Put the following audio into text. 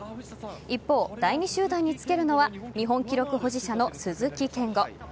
一方、第２集団につけるのは日本記録保持者の鈴木健吾。